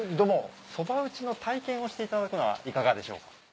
そば打ちの体験をしていただくのはいかがでしょうか？